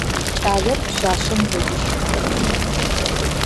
Кӏалэр пшъашъэм дэгущыӏэ.